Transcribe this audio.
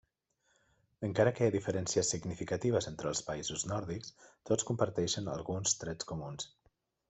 Encara que hi ha diferències significatives entre els països nòrdics, tots comparteixen alguns trets comuns.